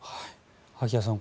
萩谷さん